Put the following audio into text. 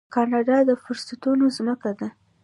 کاناډا د فرصتونو ځمکه ده.